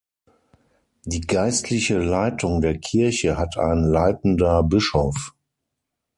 Die Geistliche Leitung der Kirche hat ein "Leitender Bischof".